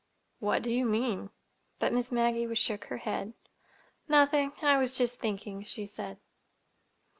"What do you mean?" But Miss Maggie shook her head. "Nothing. I was just thinking," she said.